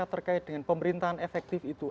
terkait dengan pemerintahan efektif itu